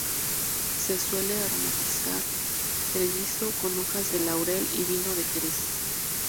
Se suele aromatizar el guiso con hojas de laurel y vino de Jerez.